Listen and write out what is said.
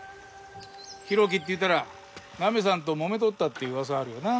浩喜っていったらナミさんともめとったって噂あるよな。